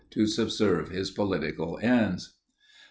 to subserve his political ends.